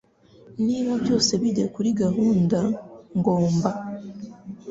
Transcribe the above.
Niba byose bijya kuri gahunda ngomba